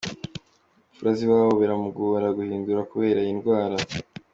Mfurazibaho biramugora guhindukira kubera iyi ndwara.